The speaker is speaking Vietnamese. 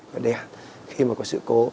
và đèn khi mà có sự cố